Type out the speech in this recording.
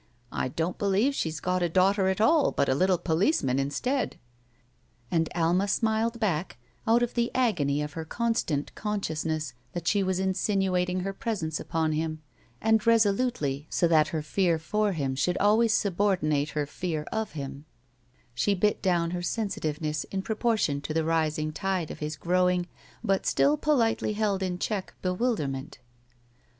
"I don't believe she's got a daughter at all, but a little policeman instead." And Alma smiled back, out oi the agony of her constant consciousness that she was insinuating her presence upon him, and resolutely, so that her fear for him shotdd always subordinate her fear of him, she bit down her sensitiveness in proportion to the rising tide of his growing, but still poUtely held in check, bewilderment.